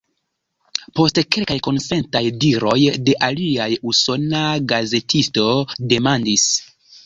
Post kelkaj konsentaj diroj de aliaj, usona gazetisto demandis: